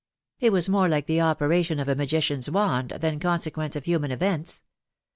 It was more like the operation of a magician's wand than the consequence of human events.